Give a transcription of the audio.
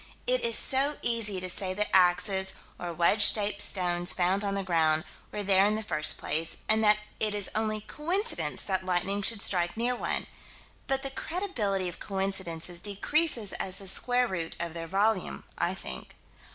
It is so easy to say that axes, or wedge shaped stones found on the ground, were there in the first place, and that it is only coincidence that lightning should strike near one but the credibility of coincidences decreases as the square root of their volume, I think.